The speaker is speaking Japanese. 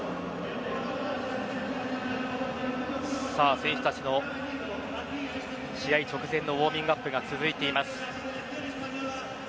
選手たちの試合直前のウオーミングアップが続いています。